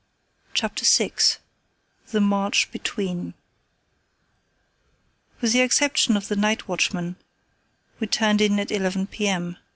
CHAPTER VI THE MARCH BETWEEN With the exception of the night watchman we turned in at 11 p.m.